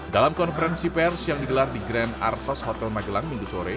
dalam konferensi pers yang digelar di grand arthos hotel magelang minggu sore